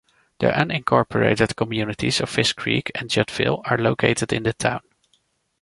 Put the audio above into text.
The unincorporated communities of Fish Creek and Juddville are located in the town.